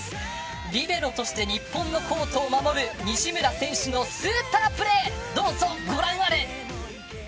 リベロとして日本のコートを守る西村選手のスーパープレーどうぞご覧あれ。